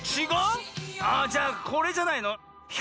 あじゃあこれじゃないの？